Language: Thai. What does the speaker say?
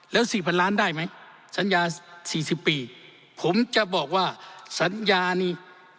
แล้วสี่พันล้านได้ไหมสัญญาสี่สิบปีผมจะบอกว่าสัญญานี่